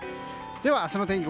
では明日の天気